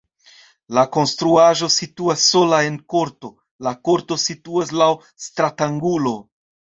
La konstruaĵo situas sola en korto, la korto situas laŭ stratangulo.